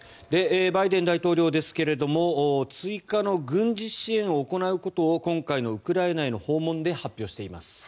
バイデン大統領ですが追加の軍事支援を行うことを今回のウクライナへの訪問で発表しています。